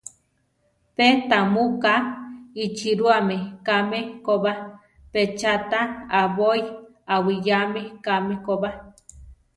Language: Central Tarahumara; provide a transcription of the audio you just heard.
Pe tamu ka ichirúame káme ko ba; pe cha ta abói aʼwiyáame káme ko ba.